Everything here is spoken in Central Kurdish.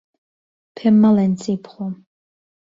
پێم مەڵێن چی بخۆم.